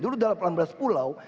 dulu delapan belas pulau